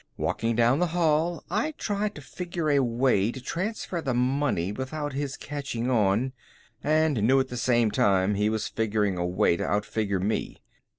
Walking down the hall, I tried to figure a way to transfer the money without his catching on and knew at the same time he was figuring a way to outfigure me.